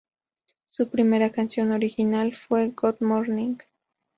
Su primera canción original fue "Good Morning!